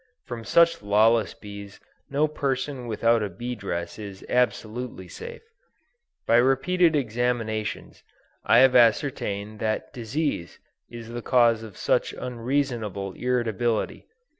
From such lawless bees no person without a bee dress is absolutely safe. By repeated examinations I have ascertained that disease is the cause of such unreasonable irritability.